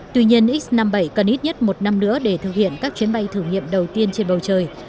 tuy nhiên x năm mươi bảy cần ít nhất một năm nữa để thực hiện các chuyến bay thử nghiệm đầu tiên trên bầu trời